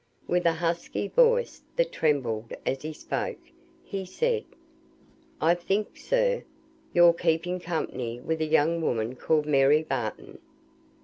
With a husky voice that trembled as he spoke, he said, "I think, sir, yo're keeping company wi' a young woman called Mary Barton?"